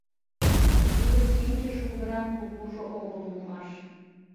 Тудо чинче шулдыран кукужо огыл улмаш